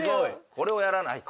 これをやらないと。